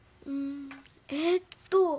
ええっと。